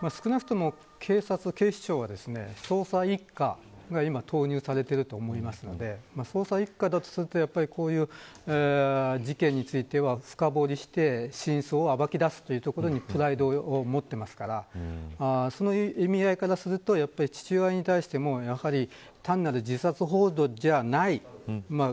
少なくとも警視庁は捜査一課が今、投入されてると思いますので捜査一課だとするとこういう事件については深堀りして真相を暴き出すというところにプライドを持っていますからそういう意味合いからすると父親に対しても単なる自殺ほう助じゃない。